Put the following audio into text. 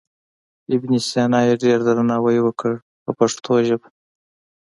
ابن سینا یې ډېر درناوی وکړ په پښتو ژبه.